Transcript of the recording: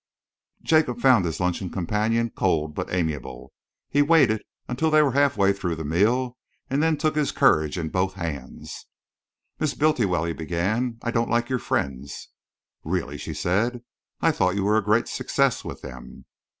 Jacob found his luncheon companion cold but amiable. He waited until they were halfway through the meal, and then took his courage in both hands. "Miss Bultiwell," he began, "I don't like your friends." "Really?" she said. "I thought you were a great success with them."